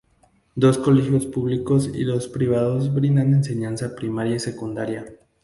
Dos colegios públicos y dos privados brindan enseñanza primaria y secundaria.